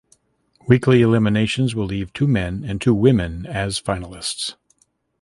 Weekly eliminations will leave two men and two women as finalists.